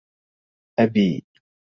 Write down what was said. أبي